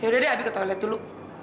ya udah deh abis ke toko liat dulu